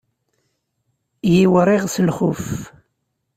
Yiwriɣ s lxuf.